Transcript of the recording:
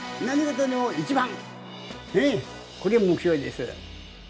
これが目標です